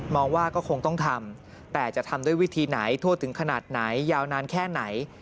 ว่าก็คงต้องทำแต่จะทำด้วยวิธีไหนโทษถึงขนาดไหนยาวนานแค่ไหน